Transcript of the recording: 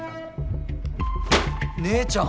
姉ちゃん。